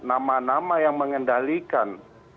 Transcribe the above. nama nama yang mengendalikan